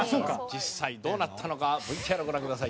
実際どうなったのかＶＴＲをご覧ください。